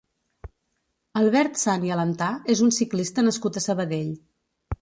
Albert Sant i Alentà és un ciclista nascut a Sabadell.